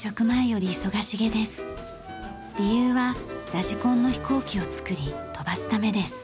理由はラジコンの飛行機を作り飛ばすためです。